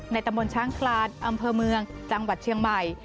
ตำบลช้างคลานอำเภอเมืองจังหวัดเชียงใหม่